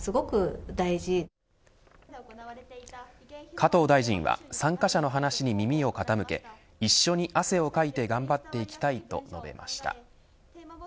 加藤大臣は参加者の話に耳を傾け一緒に汗をかいて頑張っていきたいと述べました。